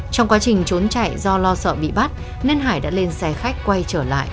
trong quá trình trốn chạy do lo sợ bị bắt nên hải đã lên xe khách quay trở lại